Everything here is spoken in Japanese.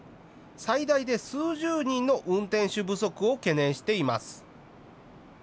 最大で数十人の運転手不足を懸念しています。